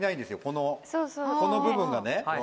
このこの部分がね。